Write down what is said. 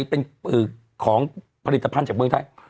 เป็นของผลิตภัณฑ์จากเมืองไทย